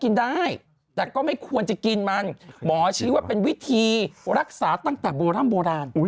และก็ไม่ควรจะกินมันหมอชีวว่าเป็นวิธีรักษาตั้งแต่โบราณ